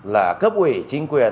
là cấp ủy chính quyền